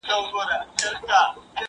¬ له عالمه سره غم، نه غم.